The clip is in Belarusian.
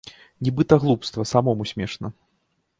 Нібыта глупства, самому смешна.